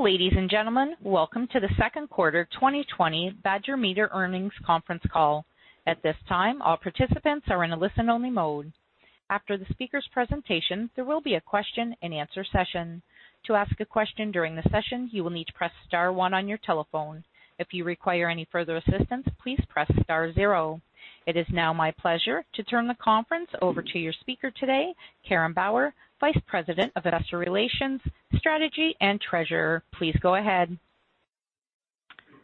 Ladies and gentlemen, welcome to the second quarter 2020 Badger Meter earnings conference call. At this time, all participants are in a listen-only mode. After the speaker's presentation, there will be a question and answer session. To ask a question during the session, you will need to press star one on your telephone. If you require any further assistance, please press star zero. It is now my pleasure to turn the conference over to your speaker today, Karen Bauer, Vice President of Investor Relations, Strategy, and Treasurer. Please go ahead.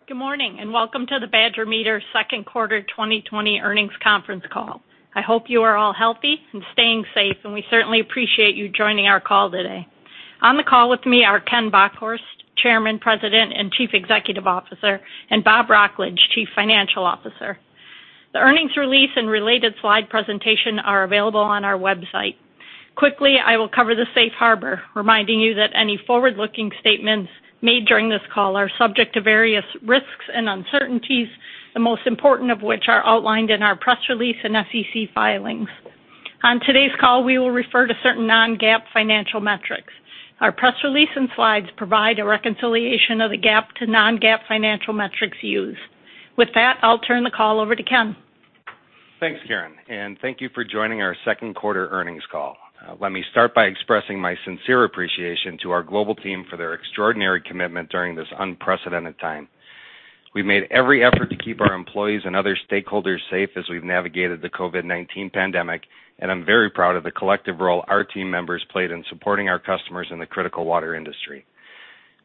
Good morning, and welcome to the Badger Meter second quarter 2020 earnings conference call. I hope you are all healthy and staying safe, and we certainly appreciate you joining our call today. On the call with me are Kenneth Bockhorst, Chairman, President, and Chief Executive Officer, and Robert Wrocklage, Chief Financial Officer. The earnings release and related slide presentation are available on our website. Quickly, I will cover the safe harbor, reminding you that any forward-looking statements made during this call are subject to various risks and uncertainties, the most important of which are outlined in our press release and SEC filings. On today's call, we will refer to certain non-GAAP financial metrics. Our press release and slides provide a reconciliation of the GAAP to non-GAAP financial metrics used. With that, I'll turn the call over to Ken. Thanks, Karen. Thank you for joining our second quarter earnings call. Let me start by expressing my sincere appreciation to our global team for their extraordinary commitment during this unprecedented time. We've made every effort to keep our employees and other stakeholders safe as we've navigated the COVID-19 pandemic, and I'm very proud of the collective role our team members played in supporting our customers in the critical water industry.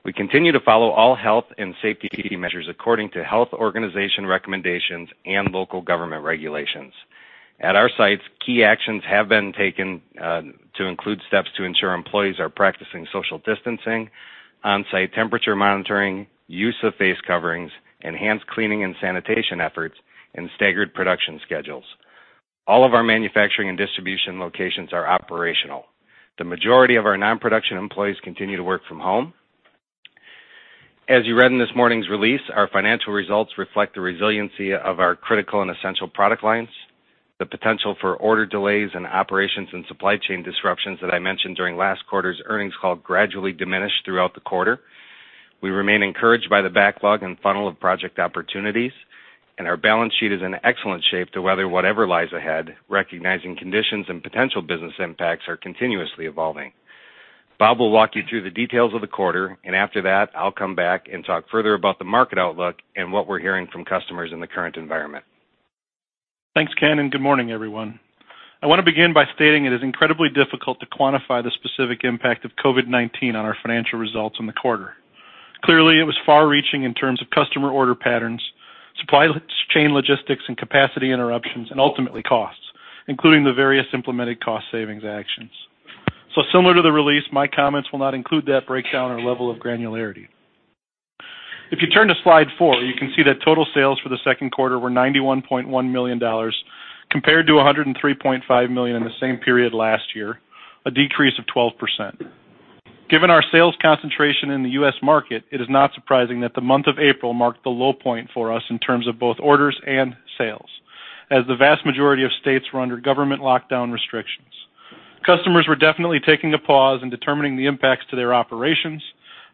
We continue to follow all health and safety measures according to health organization recommendations and local government regulations. At our sites, key actions have been taken to include steps to ensure employees are practicing social distancing, on-site temperature monitoring, use of face coverings, enhanced cleaning and sanitation efforts, and staggered production schedules. All of our manufacturing and distribution locations are operational. The majority of our non-production employees continue to work from home. As you read in this morning's release, our financial results reflect the resiliency of our critical and essential product lines. The potential for order delays and operations and supply chain disruptions that I mentioned during last quarter's earnings call gradually diminished throughout the quarter. We remain encouraged by the backlog and funnel of project opportunities. Our balance sheet is in excellent shape to weather whatever lies ahead, recognizing conditions and potential business impacts are continuously evolving. Bob will walk you through the details of the quarter. After that, I'll come back and talk further about the market outlook and what we're hearing from customers in the current environment. Thanks, Ken, and good morning, everyone. I want to begin by stating it is incredibly difficult to quantify the specific impact of COVID-19 on our financial results in the quarter. Clearly, it was far-reaching in terms of customer order patterns, supply chain logistics, and capacity interruptions, and ultimately costs, including the various implemented cost savings actions. Similar to the release, my comments will not include that breakdown or level of granularity. If you turn to slide four, you can see that total sales for the second quarter were $91.1 million, compared to $103.5 million in the same period last year, a decrease of 12%. Given our sales concentration in the U.S. market, it is not surprising that the month of April marked the low point for us in terms of both orders and sales, as the vast majority of states were under government lockdown restrictions. Customers were definitely taking a pause and determining the impacts to their operations,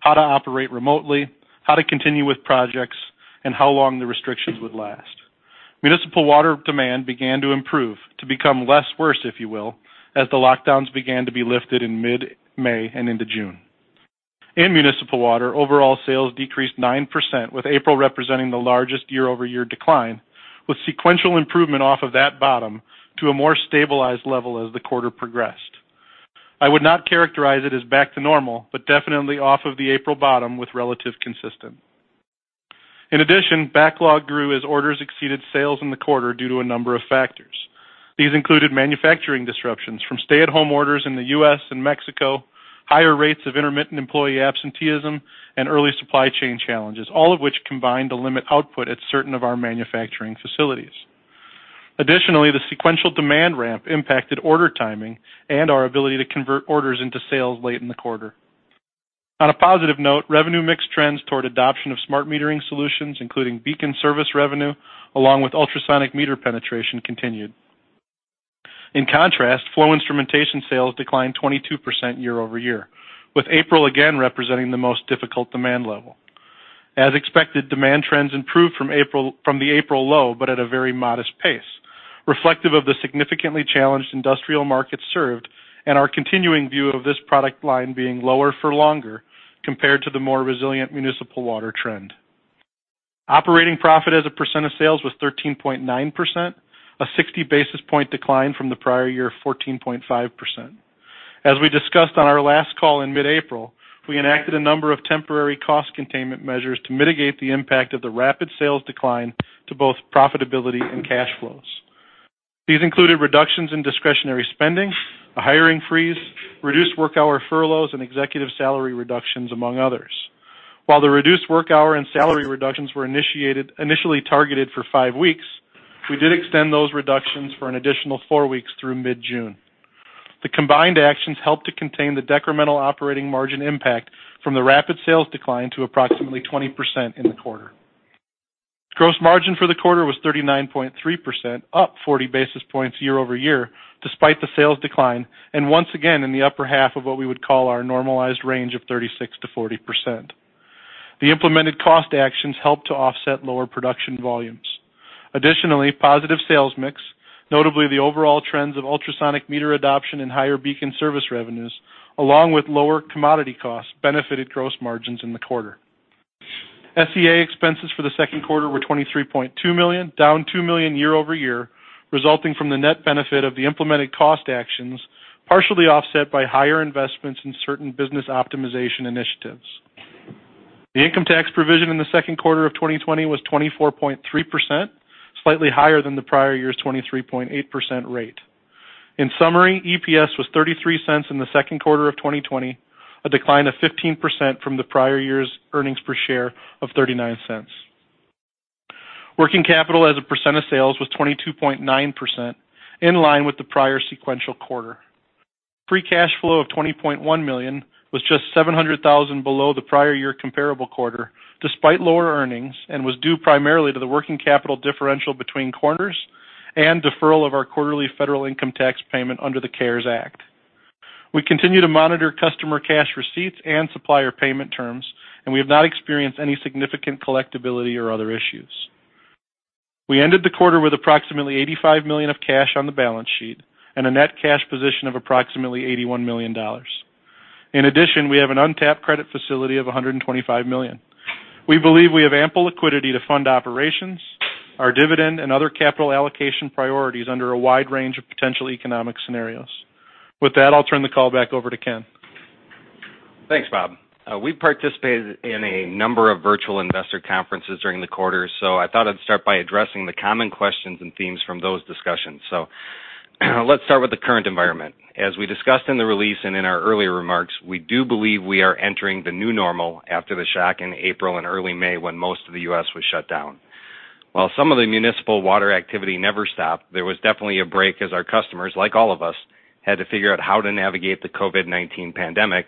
how to operate remotely, how to continue with projects, and how long the restrictions would last. Municipal water demand began to improve, to become less worse, if you will, as the lockdowns began to be lifted in mid-May and into June. In municipal water, overall sales decreased 9%, with April representing the largest year-over-year decline, with sequential improvement off of that bottom to a more stabilized level as the quarter progressed. I would not characterize it as back to normal, but definitely off of the April bottom with relative consistent. In addition, backlog grew as orders exceeded sales in the quarter due to a number of factors. These included manufacturing disruptions from stay-at-home orders in the U.S. and Mexico, higher rates of intermittent employee absenteeism, and early supply chain challenges, all of which combined to limit output at certain of our manufacturing facilities. Additionally, the sequential demand ramp impacted order timing and our ability to convert orders into sales late in the quarter. On a positive note, revenue mix trends toward adoption of smart metering solutions, including BEACON service revenue, along with ultrasonic meter penetration continued. In contrast, flow instrumentation sales declined 22% year-over-year, with April again representing the most difficult demand level. As expected, demand trends improved from the April low, but at a very modest pace, reflective of the significantly challenged industrial markets served and our continuing view of this product line being lower for longer compared to the more resilient municipal water trend. Operating profit as a percent of sales was 13.9%, a 60-basis point decline from the prior year of 14.5%. As we discussed on our last call in mid-April, we enacted a number of temporary cost containment measures to mitigate the impact of the rapid sales decline to both profitability and cash flows. These included reductions in discretionary spending, a hiring freeze, reduced work hour furloughs, and executive salary reductions, among others. While the reduced work hour and salary reductions were initially targeted for five weeks, we did extend those reductions for an additional four weeks through mid-June. The combined actions helped to contain the decremental operating margin impact from the rapid sales decline to approximately 20% in the quarter. Gross margin for the quarter was 39.3%, up 40 basis points year-over-year, despite the sales decline, and once again, in the upper half of what we would call our normalized range of 36%-40%. The implemented cost actions helped to offset lower production volumes. Additionally, positive sales mix, notably the overall trends of ultrasonic meter adoption and higher BEACON service revenues, along with lower commodity costs, benefited gross margins in the quarter. SG&A expenses for the second quarter were $23.2 million, down $2 million year-over-year, resulting from the net benefit of the implemented cost actions, partially offset by higher investments in certain business optimization initiatives. The income tax provision in the second quarter of 2020 was 24.3%, slightly higher than the prior year's 23.8% rate. In summary, EPS was $0.33 in the second quarter of 2020, a decline of 15% from the prior year's earnings per share of $0.39. Working capital as a % of sales was 22.9%, in line with the prior sequential quarter. Free cash flow of $20.1 million was just $700,000 below the prior year comparable quarter, despite lower earnings, and was due primarily to the working capital differential between quarters and deferral of our quarterly federal income tax payment under the CARES Act. We continue to monitor customer cash receipts and supplier payment terms, and we have not experienced any significant collectibility or other issues. We ended the quarter with approximately $85 million of cash on the balance sheet and a net cash position of approximately $81 million. We have an untapped credit facility of $125 million. We believe we have ample liquidity to fund operations, our dividend, and other capital allocation priorities under a wide range of potential economic scenarios. With that, I'll turn the call back over to Ken. Thanks, Bob. We participated in a number of virtual investor conferences during the quarter. I thought I'd start by addressing the common questions and themes from those discussions. Let's start with the current environment. As we discussed in the release and in our earlier remarks, we do believe we are entering the new normal after the shock in April and early May, when most of the U.S. was shut down. While some of the municipal water activity never stopped, there was definitely a break as our customers, like all of us, had to figure out how to navigate the COVID-19 pandemic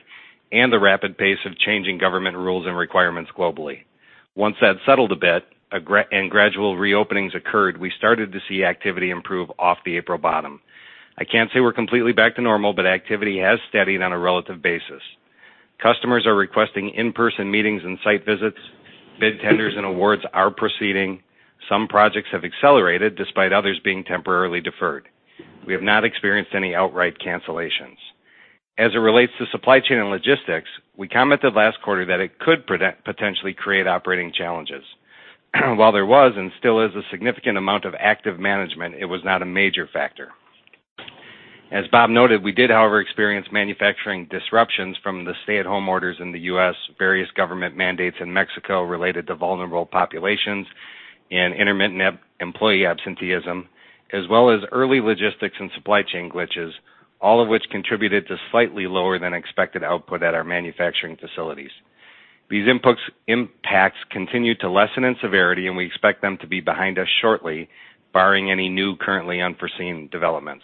and the rapid pace of changing government rules and requirements globally. Once that settled a bit and gradual reopenings occurred, we started to see activity improve off the April bottom. I can't say we're completely back to normal. Activity has steadied on a relative basis. Customers are requesting in-person meetings and site visits. Bid tenders and awards are proceeding. Some projects have accelerated despite others being temporarily deferred. We have not experienced any outright cancellations. As it relates to supply chain and logistics, we commented last quarter that it could potentially create operating challenges. While there was and still is a significant amount of active management, it was not a major factor. As Bob noted, we did, however, experience manufacturing disruptions from the stay-at-home orders in the U.S., various government mandates in Mexico related to vulnerable populations, and intermittent employee absenteeism, as well as early logistics and supply chain glitches, all of which contributed to slightly lower than expected output at our manufacturing facilities. These impacts continue to lessen in severity, and we expect them to be behind us shortly, barring any new currently unforeseen developments.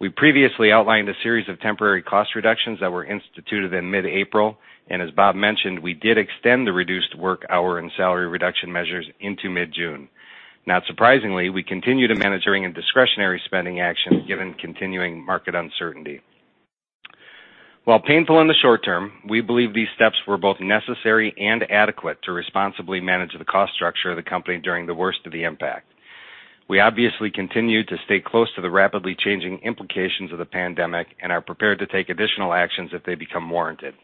We previously outlined a series of temporary cost reductions that were instituted in mid-April, and as Bob mentioned, we did extend the reduced work hour and salary reduction measures into mid-June. Not surprisingly, we continue to manage during a discretionary spending action given continuing market uncertainty. While painful in the short term, we believe these steps were both necessary and adequate to responsibly manage the cost structure of the company during the worst of the impact. We obviously continue to stay close to the rapidly changing implications of the pandemic and are prepared to take additional actions if they become warranted.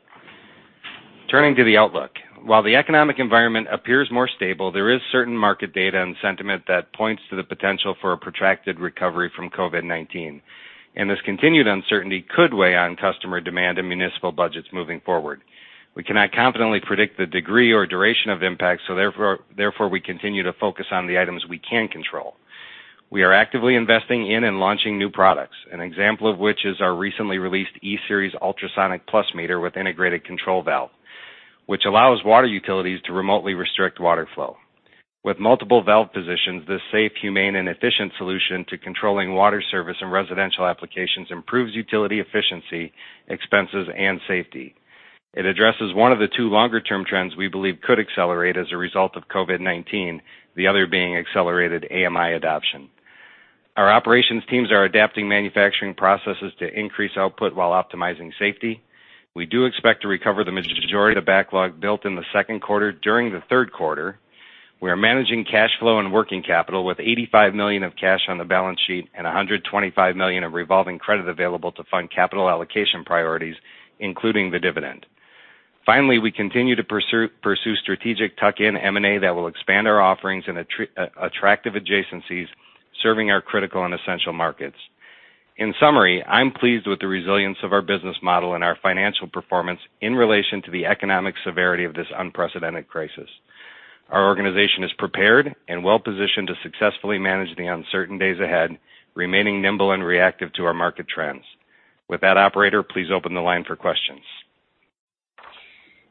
Turning to the outlook. While the economic environment appears more stable, there is certain market data and sentiment that points to the potential for a protracted recovery from COVID-19, and this continued uncertainty could weigh on customer demand and municipal budgets moving forward. We cannot confidently predict the degree or duration of impact, so therefore, we continue to focus on the items we can control. We are actively investing in and launching new products, an example of which is our recently released E-Series Ultrasonic Plus meter with integrated control valve, which allows water utilities to remotely restrict water flow. With multiple valve positions, this safe, humane, and efficient solution to controlling water service and residential applications improves utility efficiency, expenses, and safety. It addresses one of the two longer-term trends we believe could accelerate as a result of COVID-19, the other being accelerated AMI adoption. Our operations teams are adapting manufacturing processes to increase output while optimizing safety. We do expect to recover the majority of the backlog built in the second quarter during the third quarter. We are managing cash flow and working capital with $85 million of cash on the balance sheet and $125 million of revolving credit available to fund capital allocation priorities, including the dividend. Finally, we continue to pursue strategic tuck-in M&A that will expand our offerings in attractive adjacencies, serving our critical and essential markets. In summary, I'm pleased with the resilience of our business model and our financial performance in relation to the economic severity of this unprecedented crisis. Our organization is prepared and well-positioned to successfully manage the uncertain days ahead, remaining nimble and reactive to our market trends. With that, operator, please open the line for questions.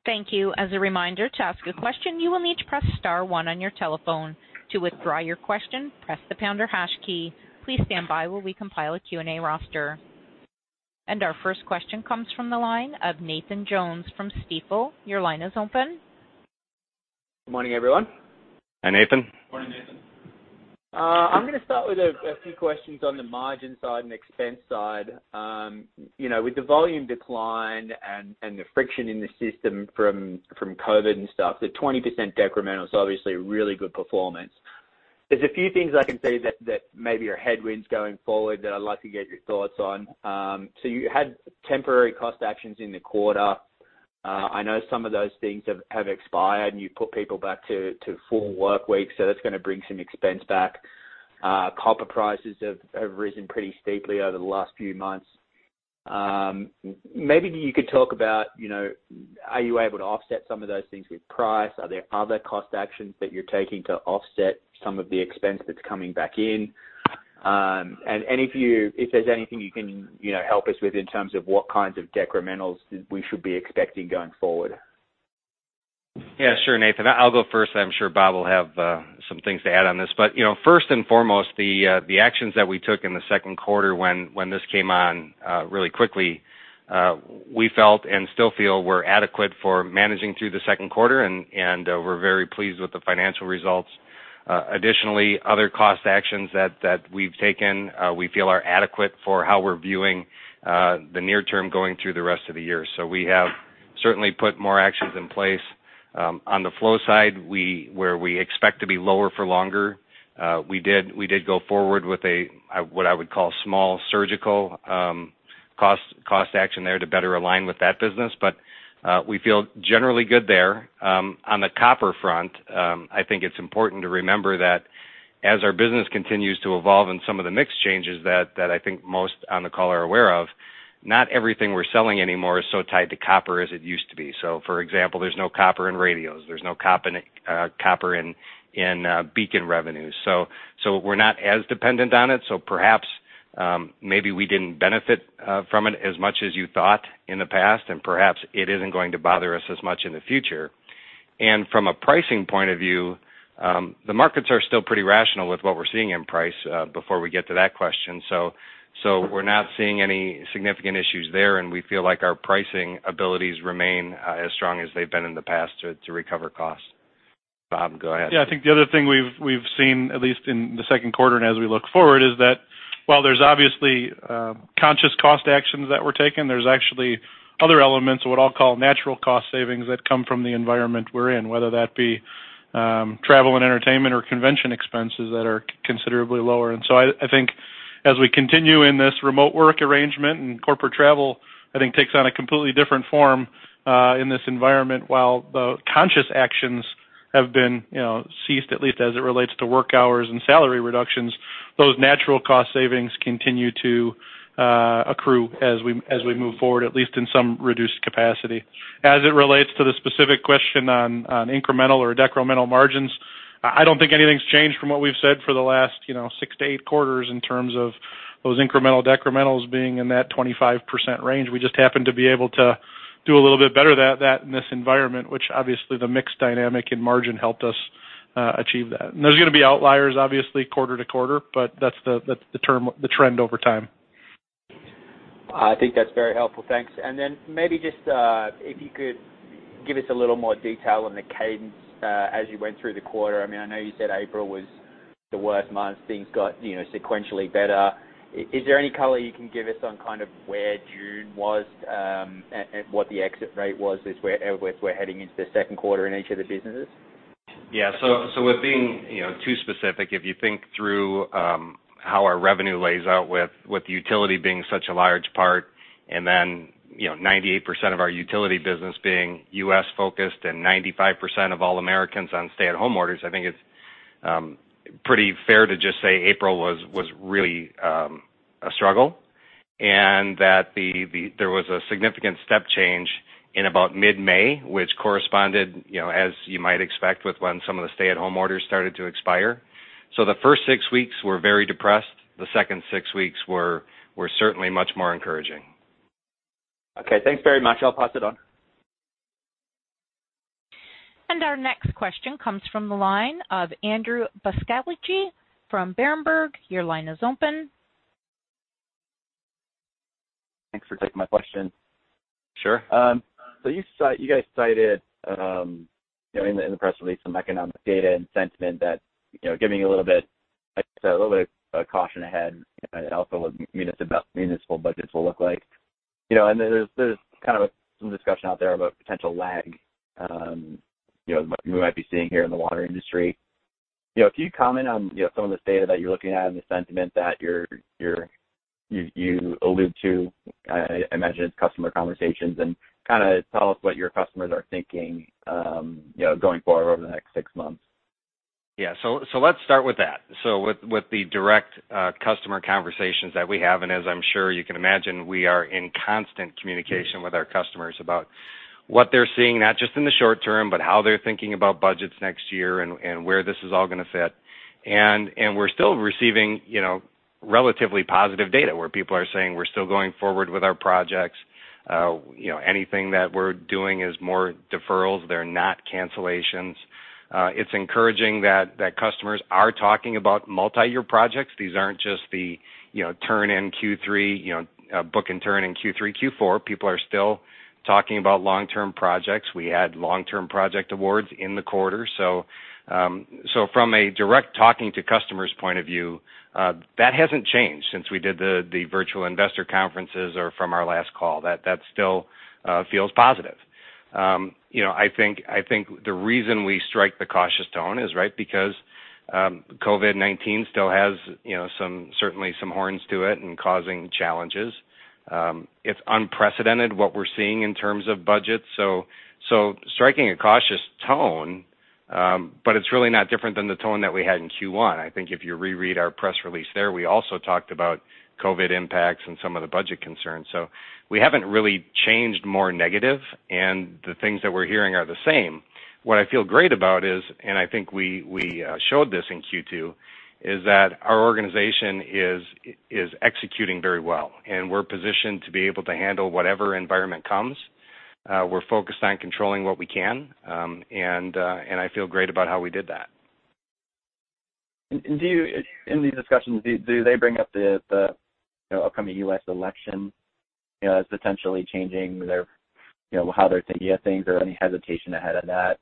Thank you. As a reminder, to ask a question, you will need to press star one on your telephone. To withdraw your question, press the pound or hash key. Please stand by while we compile a Q&A roster. Our first question comes from the line of Nathan Jones from Stifel. Your line is open. Good morning, everyone. Hi, Nathan. Good morning, Nathan. I'm going to start with a few questions on the margin side and expense side. With the volume decline and the friction in the system from COVID and stuff, the 20% decremental is obviously really good performance. There's a few things I can see that maybe are headwinds going forward that I'd like to get your thoughts on. You had temporary cost actions in the quarter. I know some of those things have expired, and you put people back to full work week, so that's going to bring some expense back. Copper prices have risen pretty steeply over the last few months. Maybe you could talk about, are you able to offset some of those things with price? Are there other cost actions that you're taking to offset some of the expense that's coming back in? If there's anything you can help us with in terms of what kinds of decrementals we should be expecting going forward. Yeah, sure, Nathan. I'll go first. I'm sure Bob will have some things to add on this. First and foremost, the actions that we took in the second quarter when this came on really quickly, we felt and still feel were adequate for managing through the second quarter, and we're very pleased with the financial results. Additionally, other cost actions that we've taken, we feel are adequate for how we're viewing the near term going through the rest of the year. We have certainly put more actions in place. On the flow side, where we expect to be lower for longer, we did go forward with a, what I would call small surgical cost action there to better align with that business. We feel generally good there. On the copper front, I think it's important to remember that as our business continues to evolve and some of the mix changes that I think most on the call are aware of, not everything we're selling anymore is so tied to copper as it used to be. For example, there's no copper in radios. There's no copper in BEACON revenues. We're not as dependent on it. Perhaps, maybe we didn't benefit from it as much as you thought in the past, and perhaps it isn't going to bother us as much in the future. From a pricing point of view, the markets are still pretty rational with what we're seeing in price, before we get to that question. We're not seeing any significant issues there, and we feel like our pricing abilities remain as strong as they've been in the past to recover costs. Bob, go ahead. Yeah, I think the other thing we've seen, at least in the second quarter and as we look forward, is that while there's obviously conscious cost actions that were taken, there's actually other elements of what I'll call natural cost savings that come from the environment we're in, whether that be travel and entertainment or convention expenses that are considerably lower. I think as we continue in this remote work arrangement and corporate travel, I think takes on a completely different form in this environment, while the conscious actions have been ceased, at least as it relates to work hours and salary reductions, those natural cost savings continue to accrue as we move forward, at least in some reduced capacity. As it relates to the specific question on incremental or decremental margins, I don't think anything's changed from what we've said for the last six to eight quarters in terms of those incremental decrementals being in that 25% range. We just happened to be able to do a little bit better at that in this environment, which obviously the mix dynamic and margin helped us achieve that. There's going to be outliers, obviously, quarter to quarter, but that's the trend over time. I think that's very helpful. Thanks. Then maybe just if you could give us a little more detail on the cadence as you went through the quarter. I know you said April was the worst month. Things got sequentially better. Is there any color you can give us on kind of where June was, and what the exit rate was as we're heading into the second quarter in each of the businesses? Yeah. With being too specific, if you think through how our revenue lays out with utility being such a large part, and then 98% of our utility business being U.S.-focused and 95% of all Americans on stay-at-home orders, I think it's pretty fair to just say April was really a struggle and that there was a significant step change in about mid-May, which corresponded as you might expect with when some of the stay-at-home orders started to expire. The first six weeks were very depressed. The second six weeks were certainly much more encouraging. Okay, thanks very much. I'll pass it on. Our next question comes from the line of Andrew Krill from Berenberg. Your line is open. Thanks for taking my question. Sure. You guys cited in the press release some economic data and sentiment that giving a little bit of caution ahead, also what municipal budgets will look like. There's kind of some discussion out there about potential lag we might be seeing here in the water industry. Could you comment on some of this data that you're looking at and the sentiment that you allude to, I imagine it's customer conversations and kind of tell us what your customers are thinking going forward over the next six months? Yeah. Let's start with that. With the direct customer conversations that we have, and as I'm sure you can imagine, we are in constant communication with our customers about what they're seeing, not just in the short term, but how they're thinking about budgets next year and where this is all going to fit. We're still receiving relatively positive data where people are saying we're still going forward with our projects. Anything that we're doing is more deferrals. They're not cancellations. It's encouraging that customers are talking about multi-year projects. These aren't just the book and turn in Q3, Q4. People are still talking about long-term projects. We add long-term project awards in the quarter. From a direct talking to customers point of view, that hasn't changed since we did the virtual investor conferences or from our last call. That still feels positive. I think the reason we strike the cautious tone is because COVID-19 still has certainly some horns to it and causing challenges. It's unprecedented what we're seeing in terms of budget. Striking a cautious tone, but it's really not different than the tone that we had in Q1. I think if you reread our press release there, we also talked about COVID impacts and some of the budget concerns. We haven't really changed more negative, and the things that we're hearing are the same. What I feel great about is, and I think we showed this in Q2, is that our organization is executing very well, and we're positioned to be able to handle whatever environment comes. We're focused on controlling what we can, and I feel great about how we did that. In these discussions, do they bring up the upcoming U.S. election as potentially changing how they're thinking of things or any hesitation ahead of that?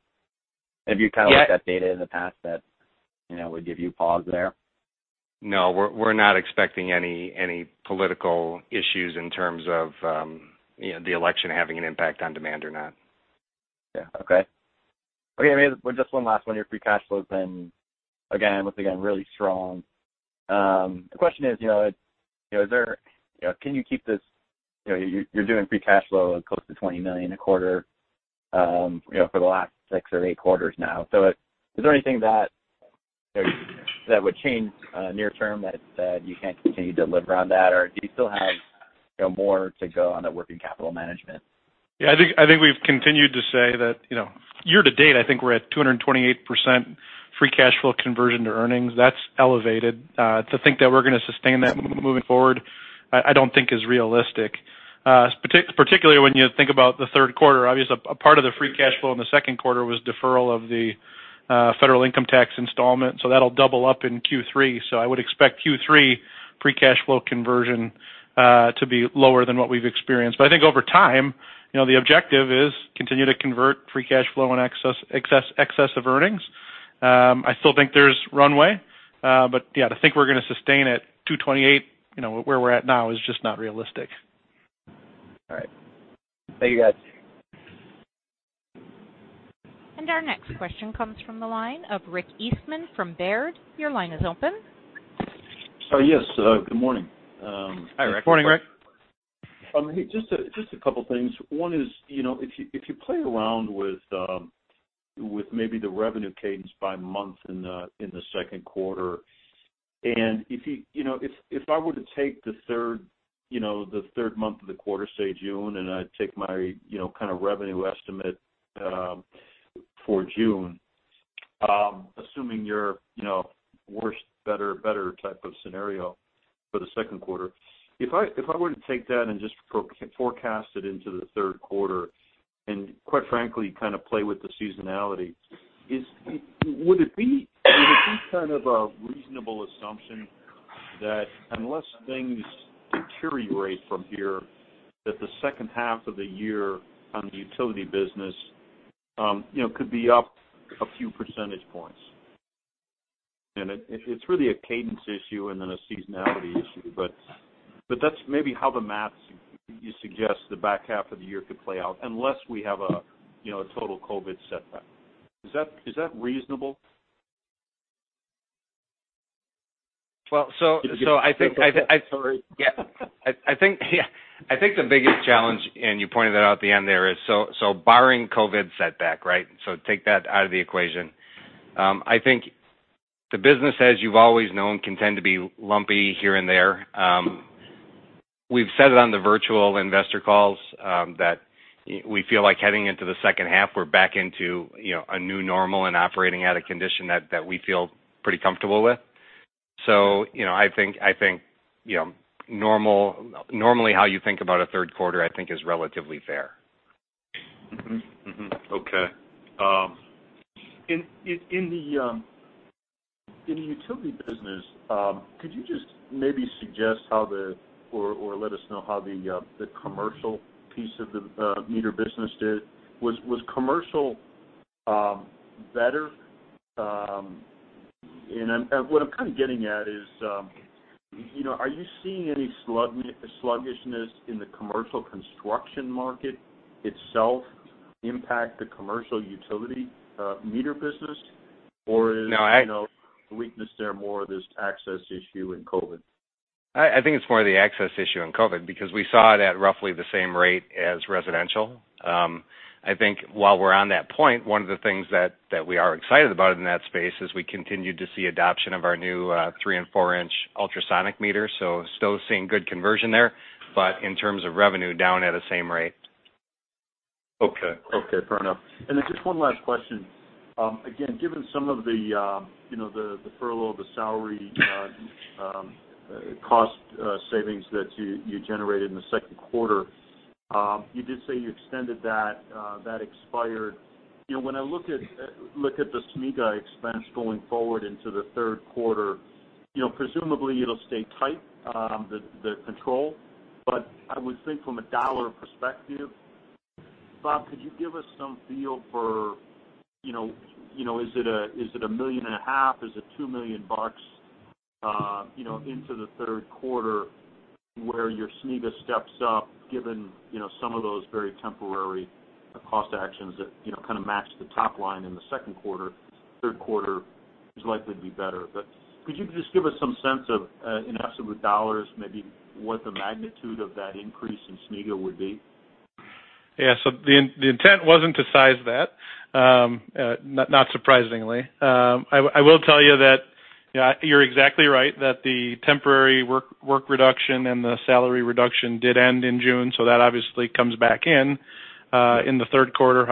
Have you looked at data in the past that would give you pause there? No, we're not expecting any political issues in terms of the election having an impact on demand or not. Yeah. Okay. Maybe just one last one here. Free cash flow has been, once again, really strong. The question is, you're doing free cash flow close to $20 million a quarter for the last six or eight quarters now. Is there anything that would change near term that you can't continue to live around that? Do you still have more to go on the working capital management? I think we've continued to say that year to date, I think we're at 228% free cash flow conversion to earnings. That's elevated. To think that we're going to sustain that moving forward, I don't think is realistic. Particularly when you think about the third quarter, obviously, a part of the free cash flow in the second quarter was deferral of the federal income tax installment, that'll double up in Q3. I would expect Q3 free cash flow conversion to be lower than what we've experienced. I think over time, the objective is continue to convert free cash flow in excess of earnings. I still think there's runway. Yeah, to think we're going to sustain at 228 where we're at now is just not realistic. All right. Thank you, guys. Our next question comes from the line of Richard Eastman from Baird. Your line is open. Yes. Good morning. Hi, Rick. Good morning, Rick. Hey, just a couple things. One is, if you play around with maybe the revenue cadence by month in the second quarter, and if I were to take the third month of the quarter, say June, and I take my kind of revenue estimate for June, assuming your worst, better type of scenario for the second quarter. If I were to take that and just forecast it into the third quarter, and quite frankly, kind of play with the seasonality, would it be kind of a reasonable assumption that unless things deteriorate from here, that the second half of the year on the utility business could be up a few percentage points? It's really a cadence issue and then a seasonality issue, but that's maybe how the math you suggest the back half of the year could play out unless we have a total COVID setback. Is that reasonable? Well, I think Sorry. Yeah. I think the biggest challenge, and you pointed that out at the end there, is so barring COVID setback, right? Take that out of the equation. I think the business, as you've always known, can tend to be lumpy here and there. We've said it on the virtual investor calls that we feel like heading into the second half, we're back into a new normal and operating at a condition that we feel pretty comfortable with. I think normally how you think about a third quarter, I think is relatively fair. In the utility business, could you just maybe suggest or let us know how the commercial piece of the meter business did? Was commercial better? What I'm kind of getting at is, are you seeing any sluggishness in the commercial construction market itself impact the commercial utility meter business? No, I- Weakness there more of this access issue in COVID? I think it's more of the access issue in COVID, because we saw it at roughly the same rate as residential. I think while we're on that point, one of the things that we are excited about in that space is we continued to see adoption of our new three and four-inch ultrasonic meters, so still seeing good conversion there. In terms of revenue, down at a same rate. Okay. Fair enough. just one last question. Again, given some of the furlough, the salary cost savings that you generated in the second quarter, you did say you extended that expired. When I look at the SG&A expense going forward into the third quarter, presumably it'll stay tight, the control. I would think from a dollar perspective, Bob, could you give us some feel for is it a million and a half? Is it $2 million bucks into the third quarter where your SG&A steps up, given some of those very temporary cost actions that kind of match the top line in the second quarter, third quarter is likely to be better. Could you just give us some sense of, in absolute dollars, maybe what the magnitude of that increase in SG&A would be? Yeah. The intent wasn't to size that, not surprisingly. I will tell you that you're exactly right that the temporary work reduction and the salary reduction did end in June, so that obviously comes back in the third quarter.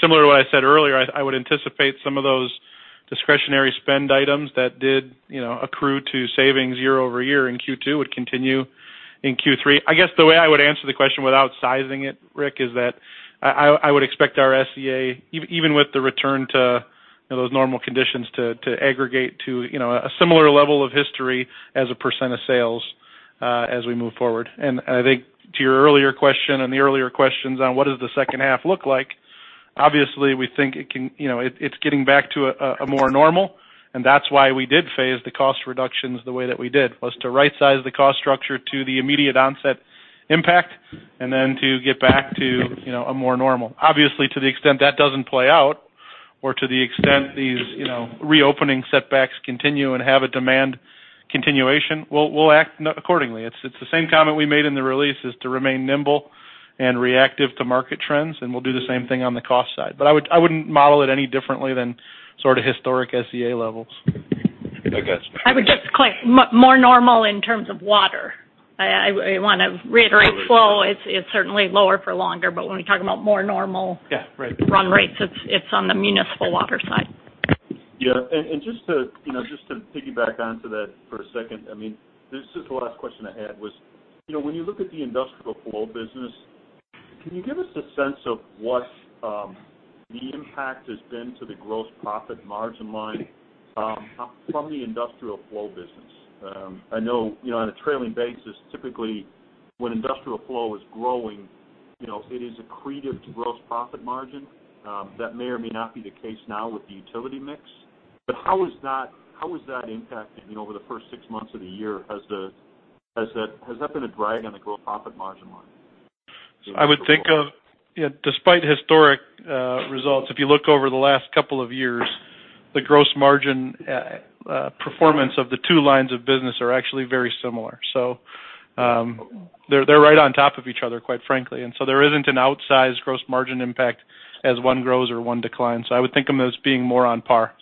Similar to what I said earlier, I would anticipate some of those discretionary spend items that did accrue to savings year-over-year in Q2 would continue in Q3. I guess the way I would answer the question without sizing it, Rick, is that I would expect our SG&A, even with the return to those normal conditions, to aggregate to a similar level of history as a % of sales as we move forward. I think to your earlier question and the earlier questions on what does the second half look like, obviously we think it's getting back to a more normal, and that's why we did phase the cost reductions the way that we did, was to right size the cost structure to the immediate onset impact, and then to get back to a more normal. Obviously, to the extent that doesn't play out, or to the extent these reopening setbacks continue and have a demand continuation, we'll act accordingly. It's the same comment we made in the release is to remain nimble and reactive to market trends, and we'll do the same thing on the cost side. I wouldn't model it any differently than sort of historic SG&A levels. Okay. I would just claim more normal in terms of water. I want to reiterate flow. It's certainly lower for longer, but when we talk about more normal Yeah, right Run rates, it's on the municipal water side. Yeah. Just to piggyback onto that for a second, this is the last question I had was, when you look at the industrial flow business, can you give us a sense of what the impact has been to the gross profit margin line from the industrial flow business? I know on a trailing basis, typically, when industrial flow is growing, it is accretive to gross profit margin. That may or may not be the case now with the utility mix, but how is that impacting over the first six months of the year? Has that been a drag on the gross profit margin line? I would think of despite historic results, if you look over the last couple of years, the gross margin performance of the two lines of business are actually very similar. They're right on top of each other, quite frankly. There isn't an outsized gross margin impact as one grows or one declines. I would think of those being more on par.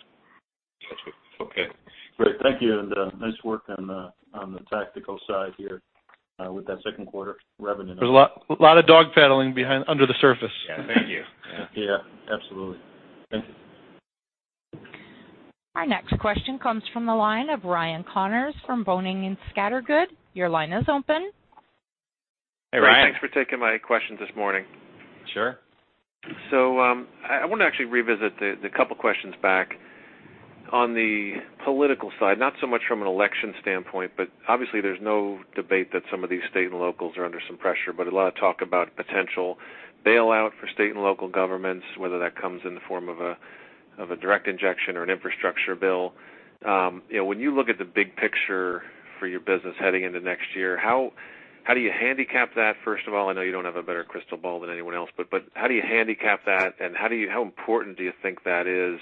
Got you. Okay. Great. Thank you, and nice work on the tactical side here with that second quarter revenue. There's a lot of dog paddling under the surface. Yeah. Thank you. Yeah, absolutely. Thank you. Our next question comes from the line of Ryan Connors from Boenning & Scattergood. Your line is open. Hey, Ryan. Thanks for taking my question this morning. Sure. I want to actually revisit the couple questions back on the political side, not so much from an election standpoint, but obviously there's no debate that some of these state and locals are under some pressure, but a lot of talk about potential bailout for state and local governments, whether that comes in the form of a direct injection or an infrastructure bill. When you look at the big picture for your business heading into next year, how do you handicap that? First of all, I know you don't have a better crystal ball than anyone else, but how do you handicap that, and how important do you think that is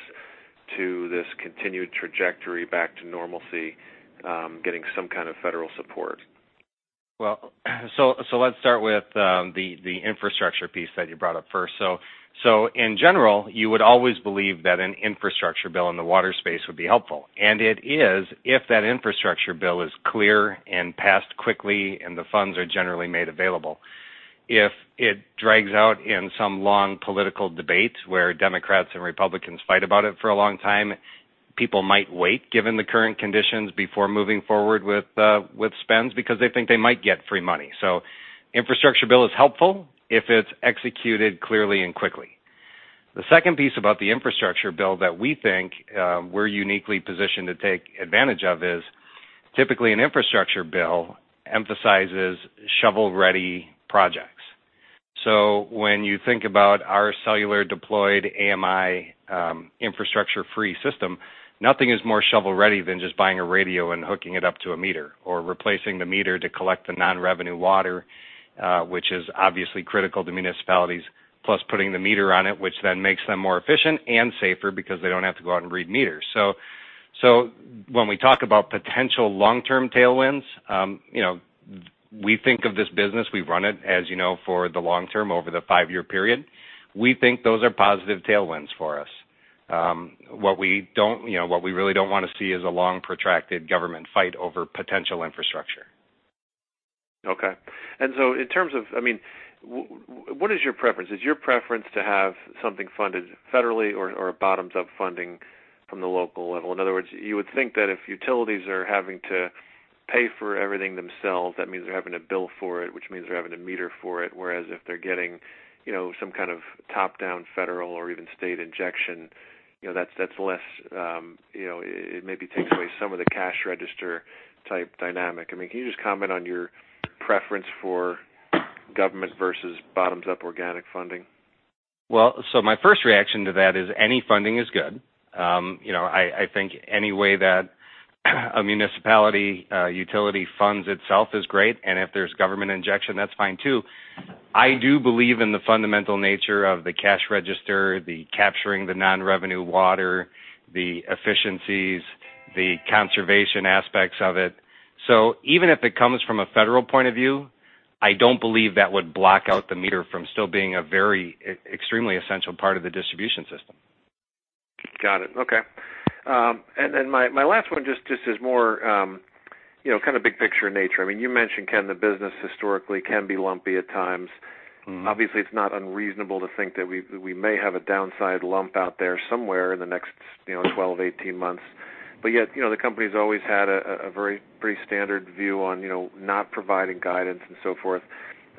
to this continued trajectory back to normalcy, getting some kind of federal support? Well, let's start with the infrastructure piece that you brought up first. In general, you would always believe that an infrastructure bill in the water space would be helpful. It is, if that infrastructure bill is clear and passed quickly and the funds are generally made available. If it drags out in some long political debate where Democrats and Republicans fight about it for a long time, people might wait given the current conditions before moving forward with spends because they think they might get free money. Infrastructure bill is helpful if it's executed clearly and quickly. The second piece about the infrastructure bill that we think we're uniquely positioned to take advantage of is typically an infrastructure bill emphasizes shovel-ready projects. When you think about our cellular deployed AMI infrastructure-free system, nothing is more shovel ready than just buying a radio and hooking it up to a meter or replacing the meter to collect the non-revenue water, which is obviously critical to municipalities, plus putting the meter on it, which then makes them more efficient and safer because they don't have to go out and read meters. When we talk about potential long-term tailwinds, we think of this business, we run it, as you know, for the long term over the five-year period. We think those are positive tailwinds for us. What we really don't want to see is a long protracted government fight over potential infrastructure. Okay. What is your preference? Is your preference to have something funded federally or bottoms-up funding from the local level? In other words, you would think that if utilities are having to pay for everything themselves, that means they're having to bill for it, which means they're having to meter for it. Whereas if they're getting some kind of top-down federal or even state injection, that's less. It maybe takes away some of the cash register type dynamic. Can you just comment on your preference for government versus bottoms-up organic funding? Well, my first reaction to that is any funding is good. I think any way that a municipality utility funds itself is great, and if there's government injection, that's fine too. I do believe in the fundamental nature of the cash register, the capturing the non-revenue water, the efficiencies, the conservation aspects of it. Even if it comes from a federal point of view, I don't believe that would block out the meter from still being a very extremely essential part of the distribution system. Got it. Okay. My last one just is more big picture in nature. You mentioned, Ken, the business historically can be lumpy at times. Obviously, it's not unreasonable to think that we may have a downside lump out there somewhere in the next 12, 18 months. Yet, the company's always had a very standard view on not providing guidance and so forth.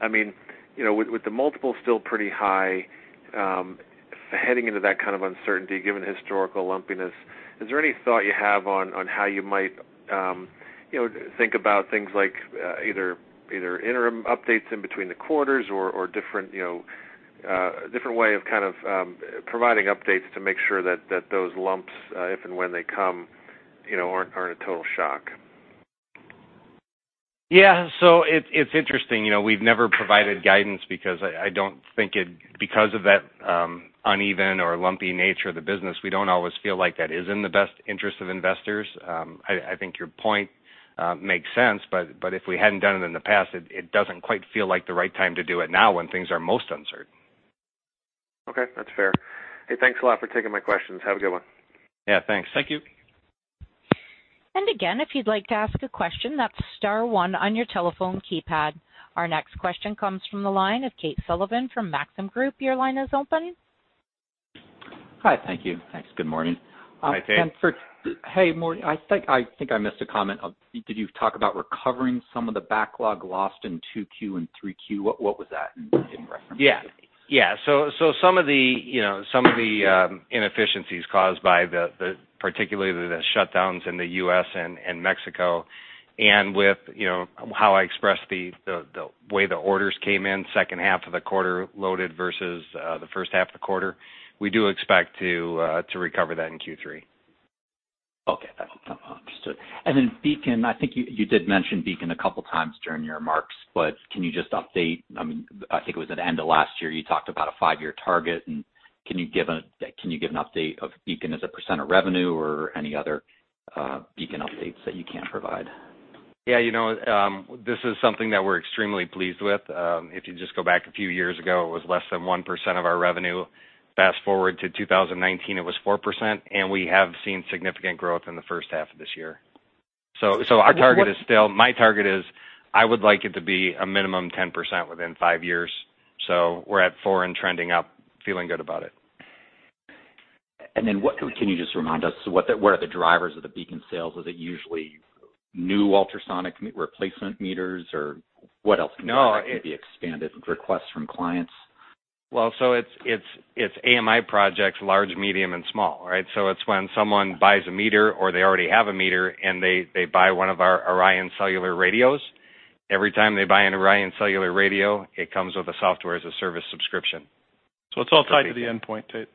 With the multiple still pretty high, heading into that kind of uncertainty, given historical lumpiness, is there any thought you have on how you might think about things like either interim updates in between the quarters or a different way of providing updates to make sure that those lumps, if and when they come, aren't a total shock? Yeah. It's interesting. We've never provided guidance because of that uneven or lumpy nature of the business, we don't always feel like that is in the best interest of investors. I think your point makes sense, but if we hadn't done it in the past, it doesn't quite feel like the right time to do it now when things are most uncertain. Okay. That's fair. Hey, thanks a lot for taking my questions. Have a good one. Yeah, thanks. Thank you. Again, if you'd like to ask a question, that's star one on your telephone keypad. Our next question comes from the line of Tate Sullivan from Maxim Group. Your line is open. Hi. Thank you. Thanks. Good morning. Hi, Tate. Hey, morning. I think I missed a comment. Did you talk about recovering some of the backlog lost in 2Q and 3Q? What was that in reference to? Yeah. Some of the inefficiencies caused by particularly the shutdowns in the U.S. and Mexico, and with how I expressed the way the orders came in second half of the quarter loaded versus the first half of the quarter, we do expect to recover that in Q3. Okay. Understood. BEACON, I think you did mention BEACON a couple times during your remarks, but can you just update, I think it was at the end of last year, you talked about a five-year target, and can you give an update of BEACON as a % of revenue or any other BEACON updates that you can provide? Yeah. This is something that we're extremely pleased with. If you just go back a few years ago, it was less than 1% of our revenue. Fast-forward to 2019, it was 4%, and we have seen significant growth in the first half of this year. Our target is still, I would like it to be a minimum 10% within five years. We're at four and trending up, feeling good about it. Can you just remind us, what are the drivers of the BEACON sales? Is it usually new ultrasonic replacement meters, or what else can be expanded requests from clients? Well, it's AMI projects, large, medium, and small, right? It's when someone buys a meter or they already have a meter, and they buy one of our ORION cellular radios. Every time they buy an ORION cellular radio, it comes with a software-as-a-service subscription. It's all tied to the endpoint, Tate.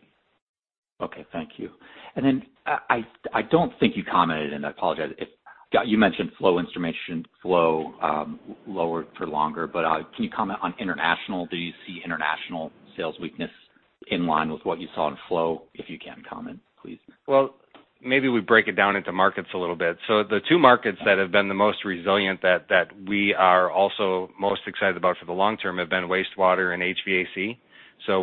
Okay, Thank you. I don't think you commented, and I apologize. You mentioned flow instrumentation, flow lower for longer, but can you comment on international? Do you see international sales weakness in line with what you saw in flow? If you can, comment, please. Well, maybe we break it down into markets a little bit. The two markets that have been the most resilient that we are also most excited about for the long term have been wastewater and HVAC.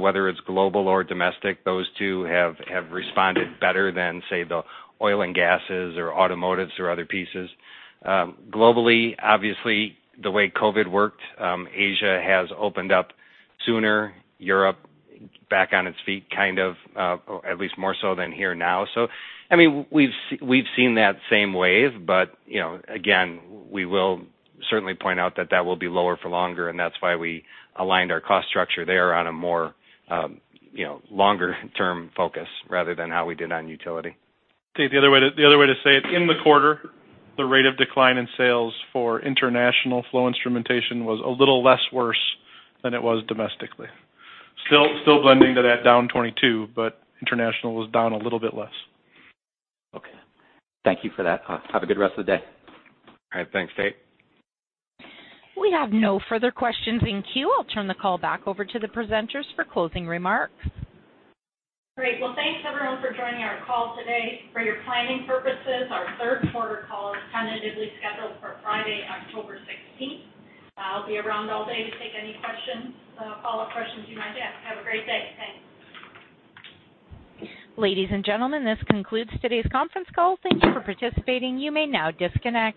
Whether it's global or domestic, those two have responded better than, say, the oil and gases or automotives or other pieces. Globally, obviously, the way COVID worked, Asia has opened up sooner, Europe back on its feet, kind of, at least more so than here now. We've seen that same wave, but, again, we will certainly point out that that will be lower for longer, and that's why we aligned our cost structure there on a more longer term focus rather than how we did on utility. Tate, the other way to say it, in the quarter, the rate of decline in sales for international flow instrumentation was a little less worse than it was domestically. Still blending to that down 22, but international was down a little bit less. Okay. Thank you for that. Have a good rest of the day. All right. Thanks, Tate. We have no further questions in queue. I'll turn the call back over to the presenters for closing remarks. Great. Well, thanks, everyone, for joining our call today. For your planning purposes, our third quarter call is tentatively scheduled for Friday, October 16th. I'll be around all day to take any follow-up questions you might have. Have a great day. Thanks. Ladies and gentlemen, This concludes today's conference call. Thank you for participating. You may now disconnect.